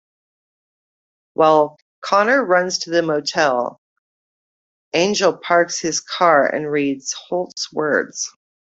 While Connor runs to the motel, Angel parks his car and reads Holtz's words.